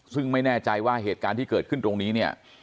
ซึ่งไม่แน่ใจว่าเหตุการณ์ที่เกิดขึ้นตรงนี้เนี่ย